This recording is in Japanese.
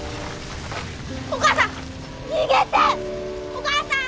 お母さん！